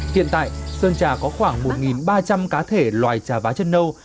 hiện tại sơn trà có khoảng một ba trăm linh cá thể loài trà vá chân nâu